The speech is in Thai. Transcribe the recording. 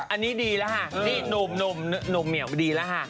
อันนี้ดีแล้วฮะนี่นุ่มเนี่ยนุ่มเหมียวดีแล้วฮะ